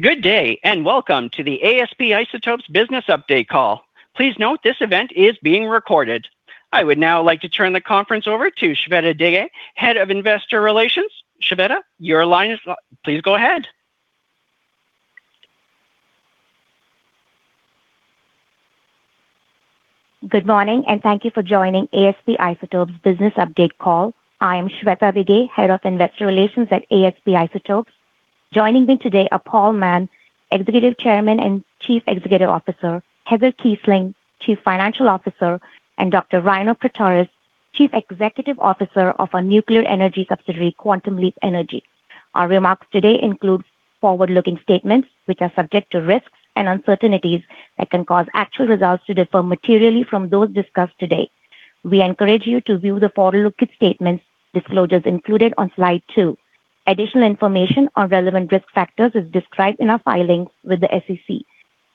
Good day, and welcome to the ASP Isotopes business update call. Please note this event is being recorded. I would now like to turn the conference over to Shweta Dige, Head of Investor Relations. Shweta, your line is open. Please go ahead. Good morning, and thank you for joining ASP Isotopes business update call. I am Shweta Dige, Head of Investor Relations at ASP Isotopes. Joining me today are Paul Mann, Executive Chairman and Chief Executive Officer, Heather Kiessling, Chief Financial Officer, and Dr. Ryno Pretorius, Chief Executive Officer of our nuclear energy subsidiary, Quantum Leap Energy. Our remarks today include forward-looking statements, which are subject to risks and uncertainties that can cause actual results to differ materially from those discussed today. We encourage you to view the forward-looking statements disclosures included on slide two. Additional information on relevant risk factors is described in our filings with the SEC.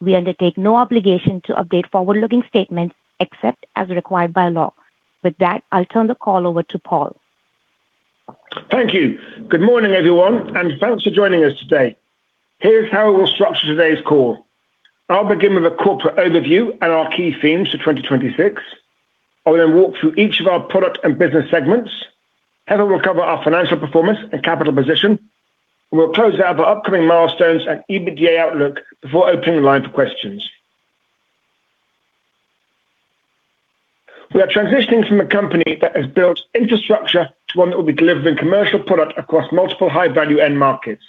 We undertake no obligation to update forward-looking statements except as required by law. With that, I'll turn the call over to Paul. Thank you. Good morning, everyone, and thanks for joining us today. Here's how we'll structure today's call. I'll begin with a corporate overview and our key themes for 2026. I will then walk through each of our product and business segments. Heather will cover our financial performance and capital position. We will close out with upcoming milestones and EBITDA outlook before opening the line for questions. We are transitioning from a company that has built infrastructure to one that will be delivering commercial product across multiple high-value end markets.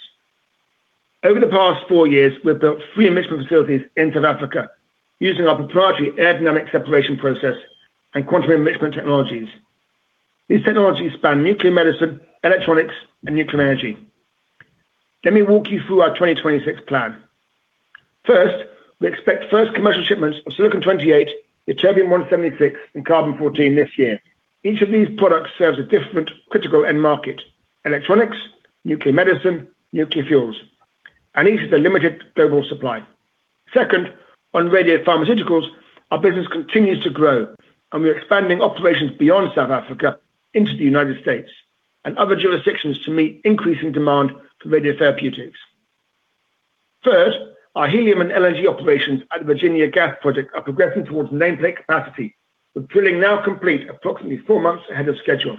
Over the past four years, we've built three enrichment facilities in South Africa using our proprietary Aerodynamic Separation Process and Quantum Enrichment technologies. These technologies span nuclear medicine, electronics, and nuclear energy. Let me walk you through our 2026 plan. First, we expect first commercial shipments of Silicon-28, Ytterbium-176, and Carbon-14 this year. Each of these products serves a different critical end market, electronics, nuclear medicine, nuclear fuels, and each has a limited global supply. Second, on radiopharmaceuticals, our business continues to grow, and we are expanding operations beyond South Africa into the United States and other jurisdictions to meet increasing demand for radiotherapeutics. Third, our helium and LNG operations at the Virginia Gas Project are progressing towards nameplate capacity, with cooling now complete approximately four months ahead of schedule.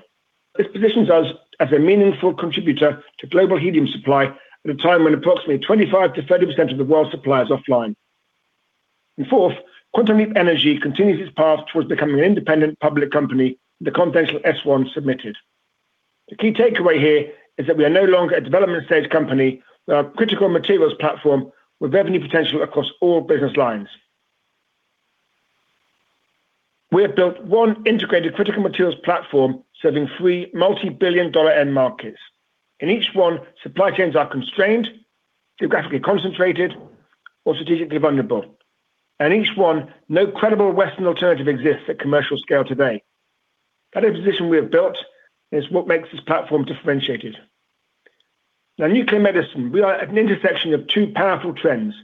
This positions us as a meaningful contributor to global helium supply at a time when approximately 25%-30% of the world's supply is offline. Fourth, Quantum Leap Energy continues its path towards becoming an independent public company with the confidential S-1 submitted. The key takeaway here is that we are no longer a development stage company. We are a critical materials platform with revenue potential across all business lines. We have built one integrated critical materials platform serving three multi-billion-dollar end markets. In each one, supply chains are constrained, geographically concentrated, or strategically vulnerable. In each one, no credible Western alternative exists at commercial scale today. That position we have built is what makes this platform differentiated. Now, nuclear medicine. We are at an intersection of two powerful trends,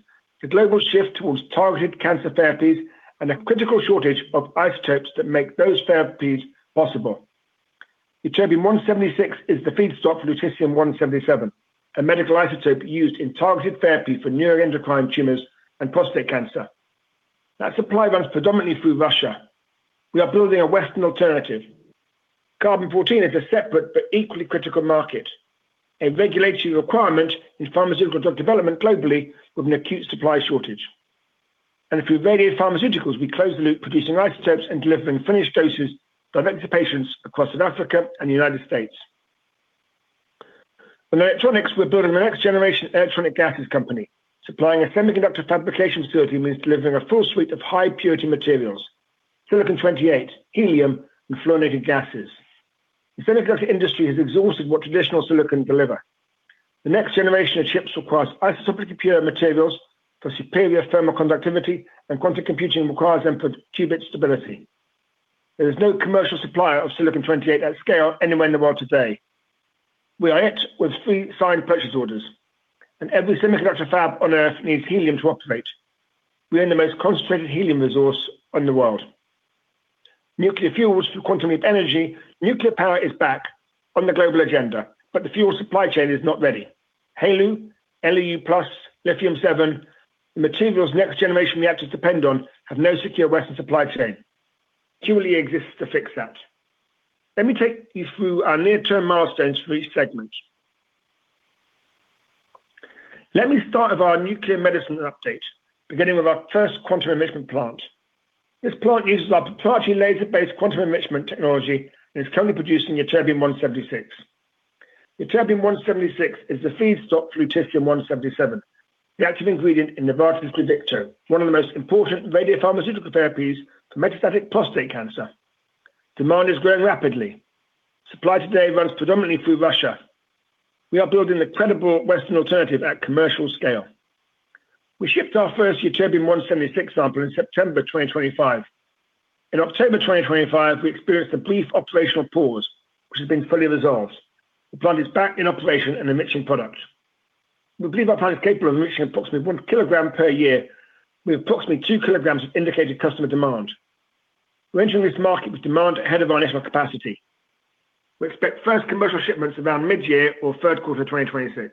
the global shift towards targeted cancer therapies and a critical shortage of isotopes that make those therapies possible. Ytterbium-176 is the feedstock for Lutetium-177, a medical isotope used in targeted therapy for neuroendocrine tumors and prostate cancer. That supply runs predominantly through Russia. We are building a Western alternative. Carbon-14 is a separate but equally critical market, a regulatory requirement in pharmaceutical drug development globally with an acute supply shortage. Through radiopharmaceuticals, we close the loop, producing isotopes and delivering finished doses direct to patients across South Africa and the United States. In electronics, we're building the next-generation electronic gases company. Supplying a semiconductor fabrication facility means delivering a full suite of high-purity materials, Silicon-28, helium, and fluorinated gases. The semiconductor industry has exhausted what traditional Silicon can deliver. The next generation of chips requires isotopically pure materials for superior thermal conductivity, and quantum computing requires them for qubit stability. There is no commercial supplier of Silicon-28 at scale anywhere in the world today. We are it, with three signed purchase orders, and every semiconductor fab on Earth needs helium to operate. We own the most concentrated helium resource in the world. Nuclear fuels for Quantum Leap Energy. Nuclear power is back on the global agenda, but the fuel supply chain is not ready. HALEU, LEU+, Lithium-7, the materials next-generation reactors depend on have no secure Western supply today. QLE exists to fix that. Let me take you through our near-term milestones for each segment. Let me start with our nuclear medicine update, beginning with our first Quantum Enrichment plant. This plant uses our proprietary laser-based Quantum Enrichment technology and is currently producing Ytterbium-176. Ytterbium-176 is the feedstock for Lutetium-177, the active ingredient in Novartis' Pluvicto, one of the most important radiopharmaceutical therapies for metastatic prostate cancer. Demand is growing rapidly. Supply today runs predominantly through Russia. We are building a credible Western alternative at commercial scale. We shipped our first Ytterbium-176 sample in September 2025. In October 2025, we experienced a brief operational pause, which has been fully resolved. The plant is back in operation and enriching product. We believe our plant is capable of enriching approximately 1 kg per year, with approximately 2 kg of indicated customer demand. We're entering this market with demand ahead of our initial capacity. We expect first commercial shipments around mid-year or third quarter 2026.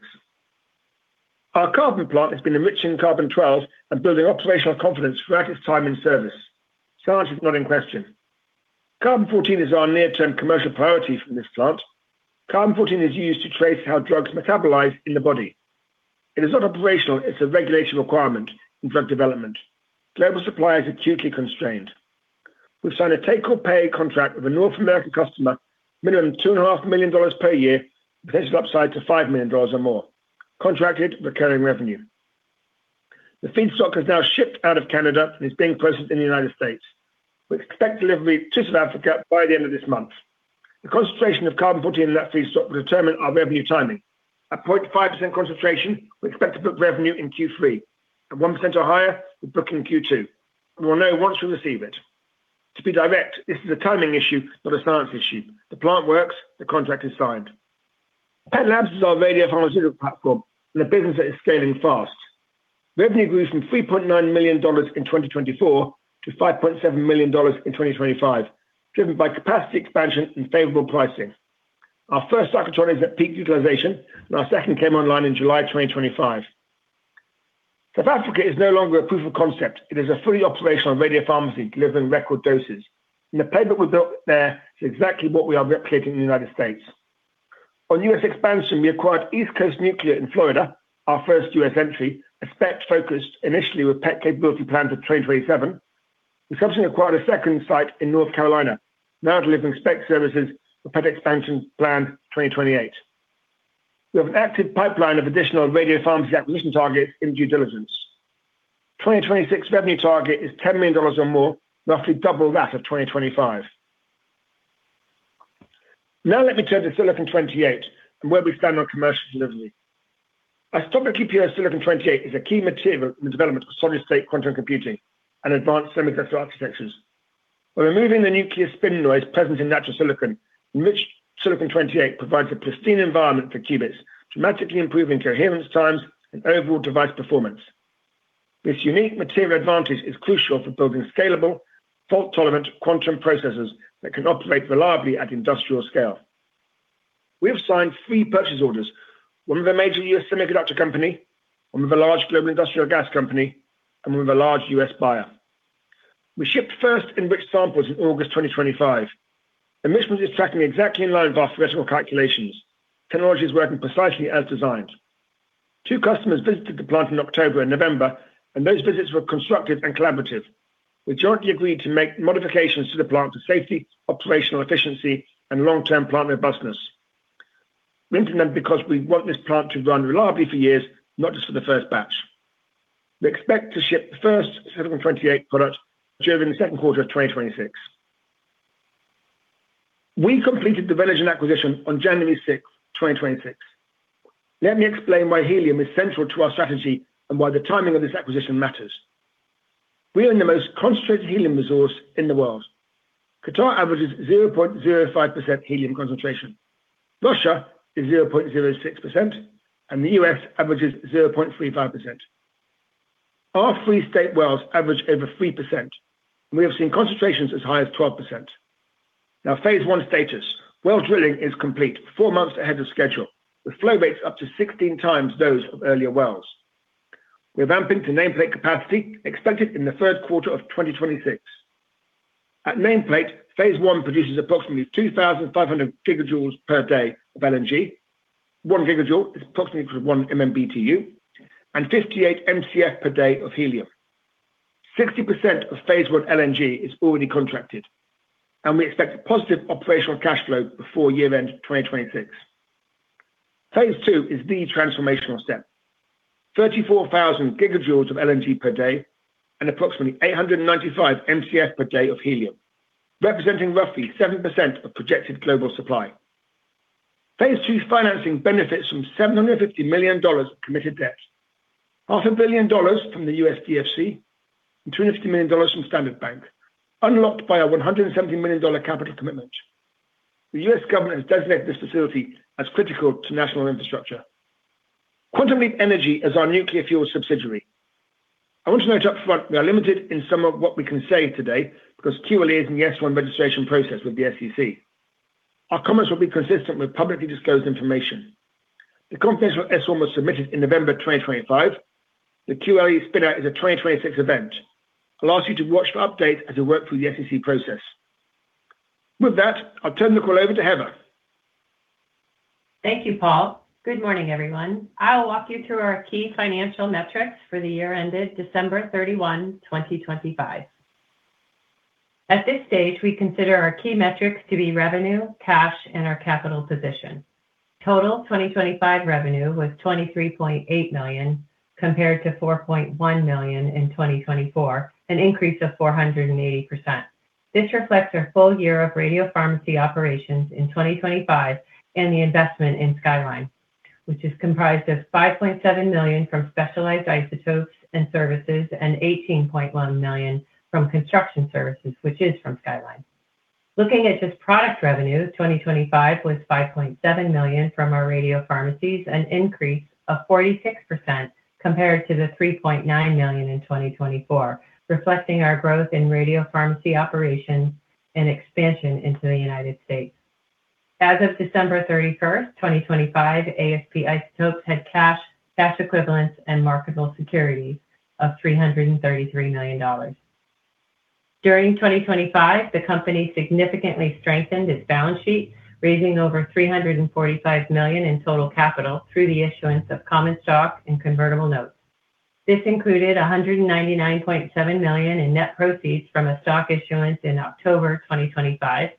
Our Carbon plant has been enriching Carbon-12 and building operational confidence throughout its time in service. Science is not in question. Carbon-14 is our near-term commercial priority from this plant. Carbon-14 is used to trace how drugs metabolize in the body. It is not optional. It's a regulation requirement in drug development. Global supply is acutely constrained. We've signed a take-or-pay contract with a North American customer, minimum of $2.5 million per year, with a potential upside to $5 million or more. Contracted recurring revenue. The feedstock has now shipped out of Canada and is being processed in the United States. We expect delivery to South Africa by the end of this month. The concentration of Carbon-14 in that feedstock will determine our revenue timing. At 0.5% concentration, we expect to book revenue in Q3. At 1% or higher, we book in Q2. We'll know once we receive it. To be direct, this is a timing issue, not a science issue. The plant works. The contract is signed. PET Labs is our radiopharmaceutical platform and a business that is scaling fast. Revenue grew from $3.9 million in 2024 to $5.7 million in 2025, driven by capacity expansion and favorable pricing. Our first cyclotron is at peak utilization, and our second came online in July 2025. South Africa is no longer a proof of concept. It is a fully operational radiopharmacy delivering record doses, and the play that we built there is exactly what we are replicating in the United States. On U.S. expansion, we acquired East Coast Nuclear in Florida, our first U.S. entry, a SPECT focus initially with PET capability planned for 2027. We subsequently acquired a second site in North Carolina, now delivering SPECT services with PET expansion planned 2028. We have an active pipeline of additional radiopharmacy acquisition targets in due diligence. 2026 revenue target is $10 million or more, roughly double that of 2025. Now let me turn to Silicon-28 and where we stand on commercial delivery. Isotopically pure Silicon-28 is a key material in the development of solid-state quantum computing and advanced semiconductor architectures. By removing the nuclear spin noise present in natural Silicon, enriched Silicon-28 provides a pristine environment for qubits, dramatically improving coherence times and overall device performance. This unique material advantage is crucial for building scalable, fault-tolerant quantum processors that can operate reliably at industrial scale. We have signed three purchase orders, one with a major U.S. semiconductor company, one with a large global industrial gas company, and one with a large U.S. buyer. We shipped the first enriched samples in August 2025. Enrichment is tracking exactly in line with our theoretical calculations. Technology is working precisely as designed. Two customers visited the plant in October and November, and those visits were constructive and collaborative. We jointly agreed to make modifications to the plant for safety, operational efficiency, and long-term plant robustness. We're implementing them because we want this plant to run reliably for years, not just for the first batch. We expect to ship the first Silicon-28 product during the second quarter of 2026. We completed the Renergen acquisition on January 6th, 2026. Let me explain why helium is central to our strategy and why the timing of this acquisition matters. We own the most concentrated helium resource in the world. Qatar averages 0.05% helium concentration. Russia is 0.06%, and the U.S. averages 0.35%. Our free state wells average over 3%, and we have seen concentrations as high as 12%. Now phase I status. Well drilling is complete, four months ahead of schedule, with flow rates up to 16 times those of earlier wells. We're ramping to nameplate capacity expected in the third quarter of 2026. At nameplate, phase I produces approximately 2,500GJ per day of LNG. One gigajoule is approximately equal to one MMBtu, and 58 MCF per day of helium. 60% of phase I LNG is already contracted, and we expect a positive operational cash flow before year-end 2026. Phase II is the transformational step. 34,000GJ of LNG per day and approximately 895 MCF per day of helium, representing roughly 7% of projected global supply. Phase II financing benefits from $750 million of committed debt, $0.5 billion from the U.S. DFC and $250 million from Standard Bank, unlocked by our $170 million capital commitment. The U.S. government has designated this facility as critical to national infrastructure. Quantum Leap Energy is our nuclear fuel subsidiary. I want to note up front, we are limited in some of what we can say today because QLE is in the S-1 registration process with the SEC. Our comments will be consistent with publicly disclosed information. The confidential S-1 was submitted in November 2025. The QLE spin-out is a 2026 event. I'll ask you to watch for updates as we work through the SEC process. With that, I'll turn the call over to Heather. Thank you, Paul. Good morning, everyone. I'll walk you through our key financial metrics for the year ended December 31, 2025. At this stage, we consider our key metrics to be revenue, cash, and our capital position. Total 2025 revenue was $23.8 million, compared to $4.1 million in 2024, an increase of 480%. This reflects our full year of radiopharmacy operations in 2025 and the investment in Skyline, which is comprised of $5.7 million from Specialist Isotopes and Services and $18.1 million from construction services, which is from Skyline. Looking at just product revenues, 2025 was $5.7 million from our radiopharmacies, an increase of 46% compared to the $3.9 million in 2024, reflecting our growth in radiopharmacy operations and expansion into the United States. As of December 31st, 2025, ASP Isotopes had cash equivalents, and marketable securities of $333 million. During 2025, the company significantly strengthened its balance sheet, raising over $345 million in total capital through the issuance of common stock and convertible notes. This included $199.7 million in net proceeds from a stock issuance in October 2025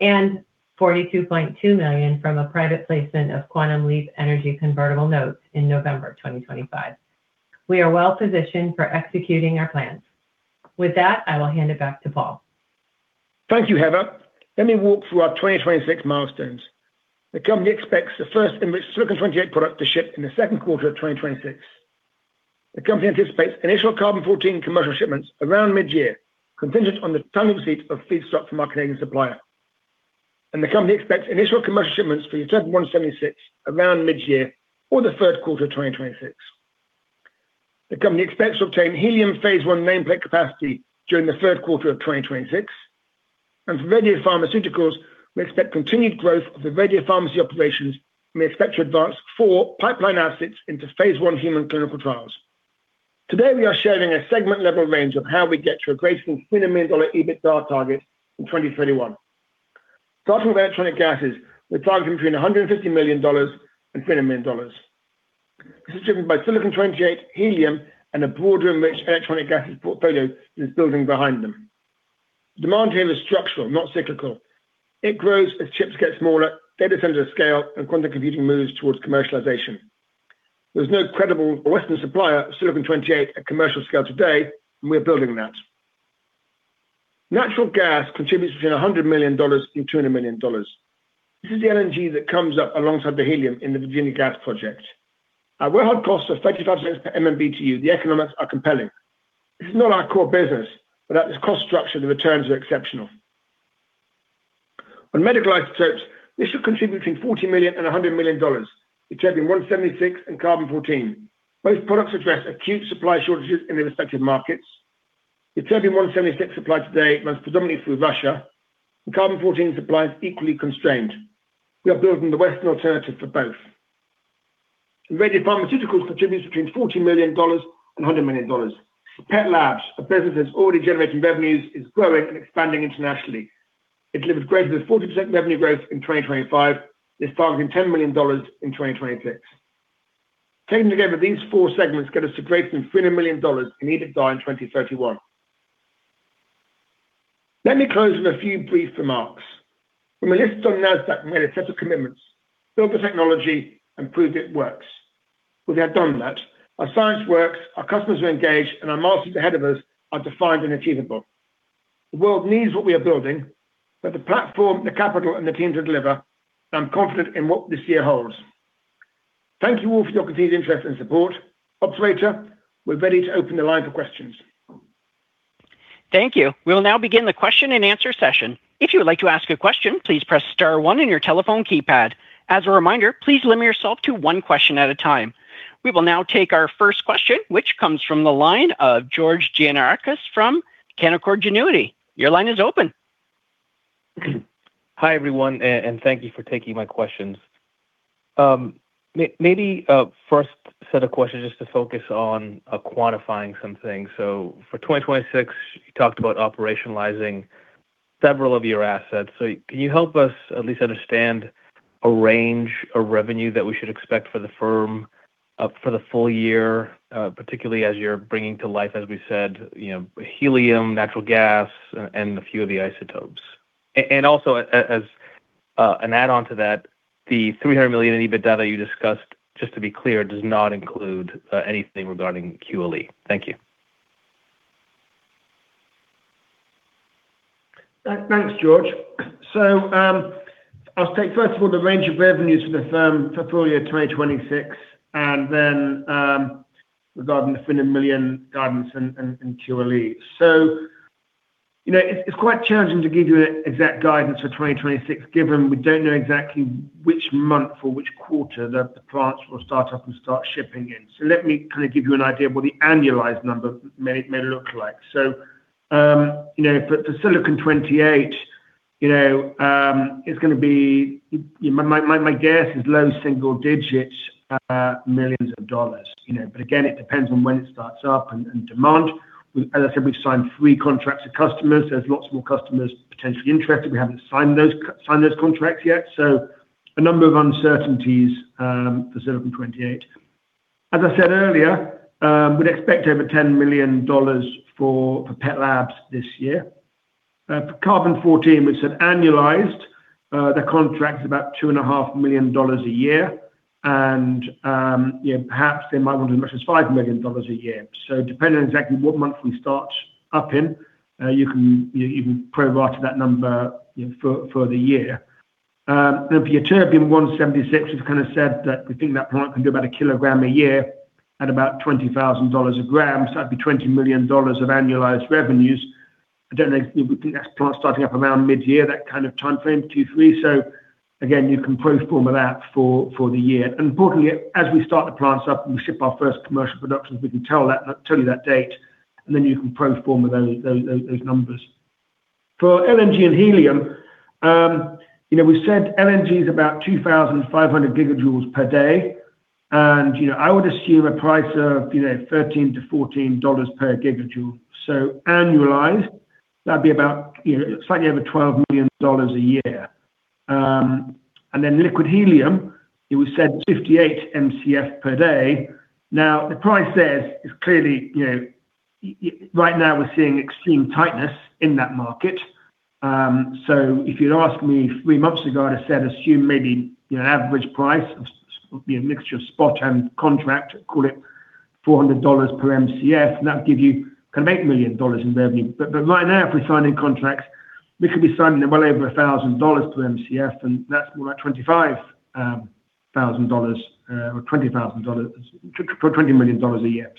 and $42.2 million from a private placement of Quantum Leap Energy convertible notes in November 2025. We are well-positioned for executing our plans. With that, I will hand it back to Paul. Thank you, Heather. Let me walk through our 2026 milestones. The company expects the first enriched Silicon-28 product to ship in the second quarter of 2026. The company anticipates initial Carbon-14 commercial shipments around mid-year, contingent on the timely receipt of feedstock from our Canadian supplier. The company expects initial commercial shipments for Ytterbium-176 around mid-year or the third quarter of 2026. The company expects to obtain helium phase I nameplate capacity during the third quarter of 2026. For radiopharmaceuticals, we expect continued growth of the radiopharmacy operations, and we expect to advance four pipeline assets into phase I human clinical trials. Today, we are sharing a segment-level range of how we get to a greater than $300 million EBITDA target in 2031. Starting with electronic gases, we're targeting between $150 million and $300 million. This is driven by Silicon-28, helium, and a broader enriched electronic gases portfolio that is building behind them. Demand here is structural, not cyclical. It grows as chips get smaller, data centers scale, and quantum computing moves towards commercialization. There's no credible Western supplier of Silicon-28 at commercial scale today, and we're building that. Natural gas contributes between $100 million and $200 million. This is the LNG that comes up alongside the helium in the Virginia gas project. At wellhead costs of $30 to $35 per MMBtu, the economics are compelling. This is not our core business, but at this cost structure, the returns are exceptional. On medical isotopes, this should contribute between $40 million and $100 million, Ytterbium-176 and Carbon-14. Both products address acute supply shortages in their respective markets. Ytterbium-176 supply today runs predominantly through Russia, and Carbon-14 supply is equally constrained. We are building the Western alternative for both. Radiopharmaceuticals contributes between $40 million and $100 million. PET Labs, a business that's already generating revenues, is growing and expanding internationally. It delivered greater than 40% revenue growth in 2025, is targeting $10 million in 2026. Taken together, these four segments get us to greater than $300 million in EBITDA in 2031. Let me close with a few brief remarks. When we listed on Nasdaq, we made a set of commitments. Build the technology and prove it works. We have done that. Our science works, our customers are engaged, and our milestones ahead of us are defined and achievable. The world needs what we are building. We have the platform, the capital, and the team to deliver, and I'm confident in what this year holds. Thank you all for your continued interest and support. Operator, we're ready to open the line for questions. Thank you. We will now begin the question and answer session. If you would like to ask a question, please press star one on your telephone keypad. As a reminder, please limit yourself to one question at a time. We will now take our first question, which comes from the line of George Gianarikas from Canaccord Genuity. Your line is open. Hi, everyone. Thank you for taking my questions. Maybe first set of questions just to focus on quantifying some things. For 2026, you talked about operationalizing several of your assets. Can you help us at least understand a range of revenue that we should expect for the firm for the full year, particularly as you're bringing to life, as we said, helium, natural gas, and a few of the isotopes? Also, as an add-on to that, the $300 million in EBITDA you discussed, just to be clear, does not include anything regarding QLE. Thank you. Thanks, George. I'll take, first of all, the range of revenues for the firm for full year 2026, and then regarding the $300 million guidance and QLE. It's quite challenging to give you exact guidance for 2026, given we don't know exactly which month or which quarter that the plants will start up and start shipping in. Let me kind of give you an idea of what the annualized number may look like. For Silicon-28, my guess is low single-digits, millions of dollars. Again, it depends on when it starts up and demand. As I said, we've signed three contracts with customers. There's lots more customers potentially interested. We haven't signed those contracts yet, a number of uncertainties for Silicon-28. As I said earlier, we'd expect over $10 million for PET Labs this year. For Carbon-14, we said annualized. The contract is about $2.5 million a year. Perhaps they might want as much as $5 million a year. Depending on exactly what month we start up in, you can prorate that number for the year. For Ytterbium-176, as kind of said that we think that plant can do about a kilogram a year at about $20,000 a gram. That'd be $20 million of annualized revenues. I don't know, we think that plant starting up around mid-year, that kind of timeframe, 2023. Again, you can pro forma that for the year. Importantly, as we start the plants up and we ship our first commercial productions, we can tell you that date, and then you can pro forma those numbers. For LNG and helium, we said LNG is about 2,500GJ per day, and I would assume a price of $13-$14 per gigajoule. Annualized, that'd be about slightly over $12 million a year. Liquid helium, it was said 58 MCF per day. Now, right now we're seeing extreme tightness in that market. If you'd asked me three months ago, I'd have said assume maybe average price of a mixture of spot and contract, call it $400 per MCF, and that would give you $8 million in revenue. Right now, if we're signing contracts, we could be signing them well over $1,000 per MCF, and that's more like $20 million a year.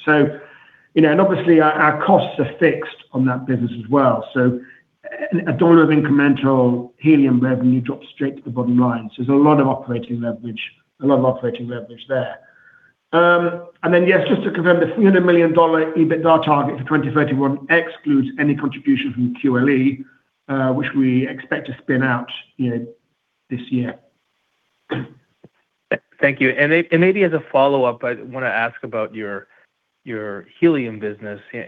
Obviously our costs are fixed on that business as well, so $1 of incremental helium revenue drops straight to the bottom line. There's a lot of operating leverage there. Yes, just to confirm the $300 million EBITDA target for 2031 excludes any contribution from QLE, which we expect to spin out this year. Thank you. Maybe as a follow-up, I want to ask about your helium business. I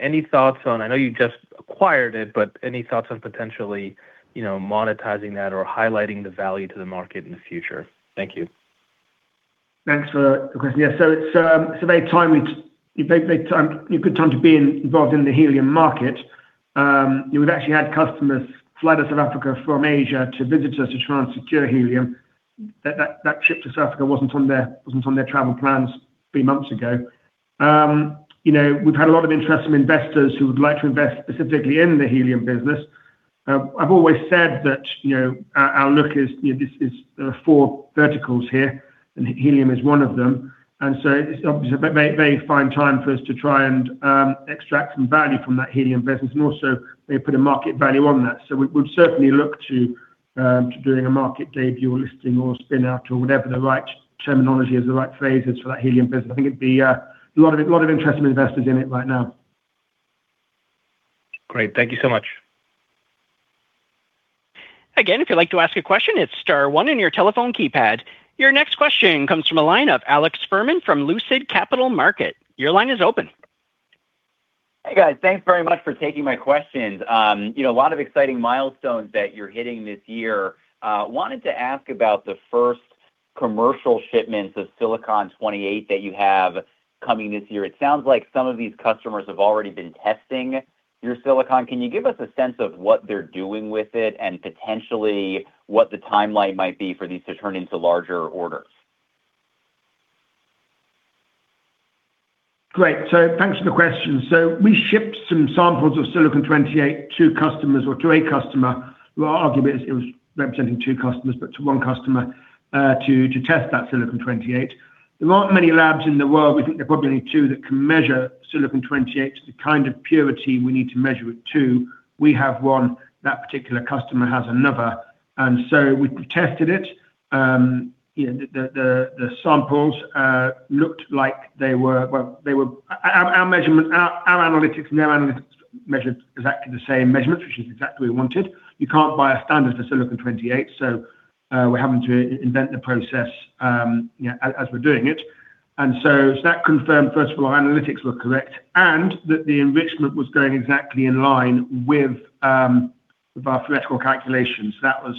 know you just acquired it, but any thoughts on potentially monetizing that or highlighting the value to the market in the future? Thank you. Thanks for the question. Yeah, so it's a very good time to be involved in the helium market. We've actually had customers fly to South Africa from Asia to visit us to try and secure helium. That trip to South Africa wasn't on their travel plans three months ago. We've had a lot of interest from investors who would like to invest specifically in the helium business. I've always said that our look is four verticals here, and helium is one of them. It's obviously a very fine time for us to try and extract some value from that helium business and also maybe put a market value on that. We'd certainly look to doing a market debut or listing or spin out or whatever the right terminology is, the right phrases for that helium business. I think it'd be a lot of interest from investors in it right now. Great. Thank you so much. Again, if you'd like to ask a question, it's star one on your telephone keypad. Your next question comes from a line of Alex Fuhrman from Lucid Capital Markets. Your line is open. Hey, guys. Thanks very much for taking my questions. A lot of exciting milestones that you're hitting this year. Wanted to ask about the first commercial shipments of Silicon-28 that you have coming this year. It sounds like some of these customers have already been testing your Silicon. Can you give us a sense of what they're doing with it and potentially what the timeline might be for these to turn into larger orders? Great. Thanks for the question. We shipped some samples of Silicon-28 to customers or to a customer. Well, arguably, it was representing two customers, but to one customer to test that Silicon-28. There aren't many labs in the world, we think there are probably only two that can measure Silicon-28 to the kind of purity we need to measure it to. We have one. That particular customer has another. We tested it. The samples looked like our analytics and their analytics measured exactly the same measurements, which is exactly what we wanted. You can't buy a standard for Silicon-28, so we're having to invent the process as we're doing it. That confirmed, first of all, our analytics were correct and that the enrichment was going exactly in line with our theoretical calculations. That was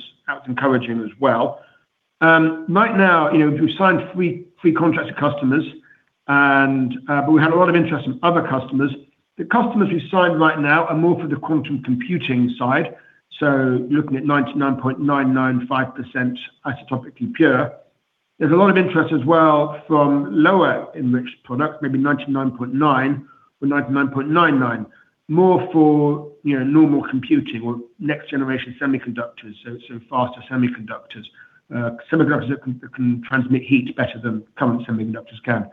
encouraging as well. Right now, we've signed three contract customers, but we had a lot of interest from other customers. The customers we've signed right now are more for the quantum computing side, so looking at 99.995% isotopically pure. There's a lot of interest as well from lower enriched product, maybe 99.9% or 99.99%, more for normal computing or next generation semiconductors, so faster semiconductors. Semiconductors that can transmit heat better than current semiconductors can.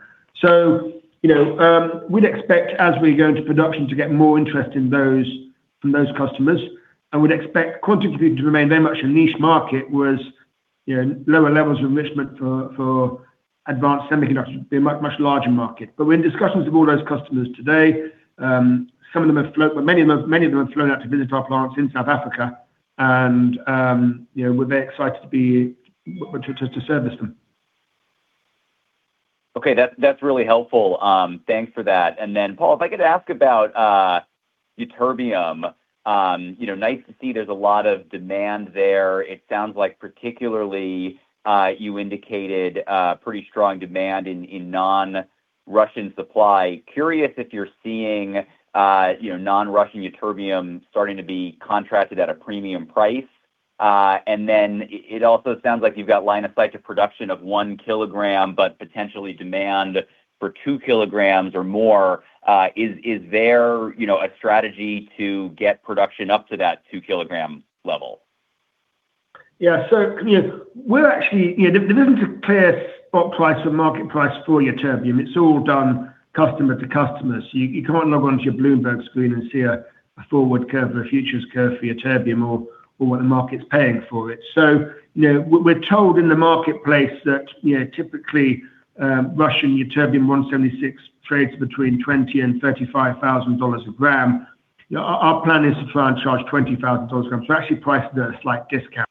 We'd expect as we go into production to get more interest from those customers and would expect quantum computing to remain very much a niche market whereas lower levels of enrichment for advanced semiconductors would be a much larger market. We're in discussions with all those customers today. Many of them have flown out to visit our plants in South Africa, and we're very excited to service them. Okay. That's really helpful. Thanks for that. Paul, if I could ask about Ytterbium. Nice to see there's a lot of demand there. It sounds like particularly you indicated pretty strong demand in non-Russian supply. Curious if you're seeing non-Russian Ytterbium starting to be contracted at a premium price. It also sounds like you've got line of sight to production of 1 kg, but potentially demand for 2 kg or more. Is there a strategy to get production up to that 2 kg level? Yeah. There isn't a clear spot price or market price for Ytterbium. It's all done customer to customer. You can't log on to your Bloomberg screen and see a forward curve or a futures curve for Ytterbium or what the market's paying for it. We're told in the marketplace that typically Russian Ytterbium-176 trades between $20,000-$35,000 a gram. Our plan is to try and charge $20,000 a gram, so actually priced at a slight discount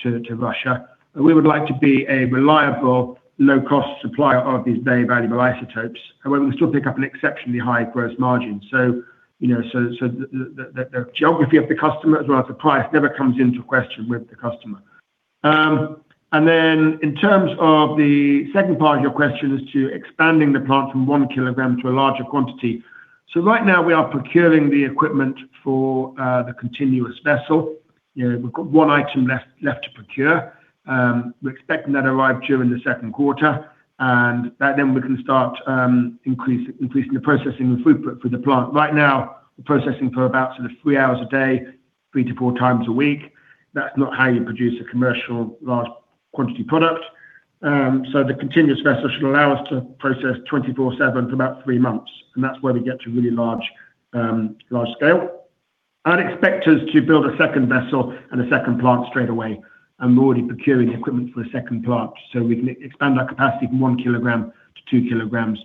to Russia. We would like to be a reliable, low-cost supplier of these very valuable isotopes, and we can still pick up an exceptionally high gross margin. The geography of the customer as well as the price never comes into question with the customer. In terms of the second part of your question as to expanding the plant from 1 kg to a larger quantity. Right now we are procuring the equipment for the continuous vessel. We've got one item left to procure. We're expecting that arrive during the second quarter, and then we can start increasing the processing throughput for the plant. Right now, we're processing for about sort of 3 hours a day, 3-4 times a week. That's not how you produce a commercial large quantity product. The continuous vessel should allow us to process 24/7 for about 3 months, and that's where we get to really large scale. I'd expect us to build a second vessel and a second plant straight away, and we're already procuring the equipment for the second plant. We can expand our capacity from 1 kg to 2 kg,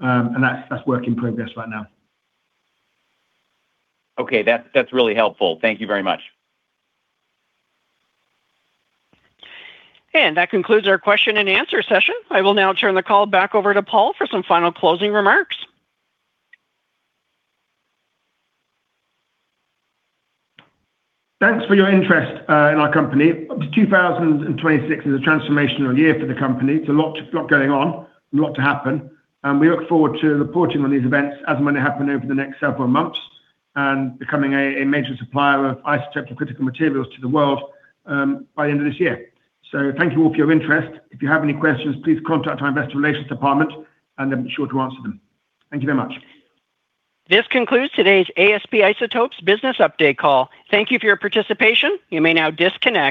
and that's work in progress right now. Okay. That's really helpful. Thank you very much. That concludes our question-and-answer session. I will now turn the call back over to Paul for some final closing remarks. Thanks for your interest in our company. 2026 is a transformational year for the company. It's a lot going on, a lot to happen, and we look forward to reporting on these events as and when they happen over the next several months and becoming a major supplier of isotopic and critical materials to the world, by the end of this year. Thank you all for your interest. If you have any questions, please contact our investor relations department and they'll be sure to answer them. Thank you very much. This concludes today's ASP Isotopes business update call. Thank you for your participation. You may now disconnect.